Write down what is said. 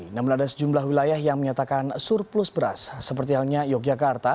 namun ada sejumlah wilayah yang menyatakan surplus beras seperti halnya yogyakarta